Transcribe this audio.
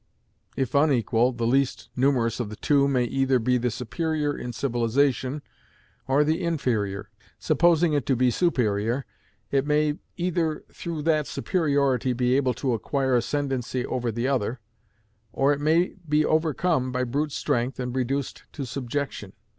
If unequal, the least numerous of the two may either be the superior in civilization, or the inferior. Supposing it to be superior, it may either, through that superiority, be able to acquire ascendancy over the other, or it may be overcome by brute strength and reduced to subjection.